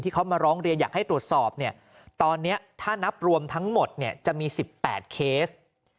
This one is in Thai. เขามาร้องเรียนอยากให้ตรวจสอบเนี่ยตอนนี้ถ้านับรวมทั้งหมดจะมี๑๘เคส